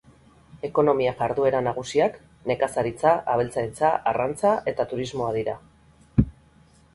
Ekonomia-jarduera nagusiak nekazaritza, abeltzaintza, arrantza eta turismoa dira.